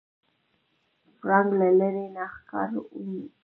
پړانګ له لرې نه ښکار ویني.